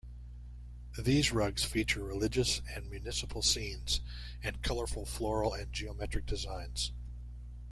These rugs feature religious and municipal scenes and colorful floral and geometric designs.